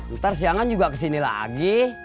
ntar siangan juga kesini lagi